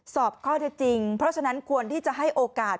สอบข้อเท็จจริงเพราะฉะนั้นควรที่จะให้โอกาส